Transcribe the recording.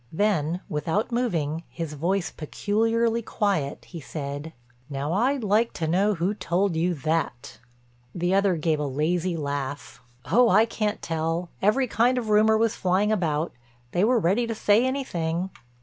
Then, without moving, his voice peculiarly quiet, he said: "Now I'd like to know who told you that?" The other gave a lazy laugh: "Oh, I can't tell—every kind of rumor was flying about. They were ready to say anything."